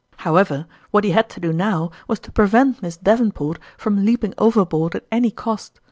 However, what he had to do now was to pre vent Miss Davenport from leaping overboard at any cost.